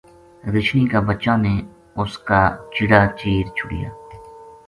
رچھنی کا بَچاں نے اس کا چِڑا چیر چھُڑیا